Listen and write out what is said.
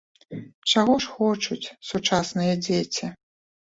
Чаго ж хочуць сучасныя дзеці?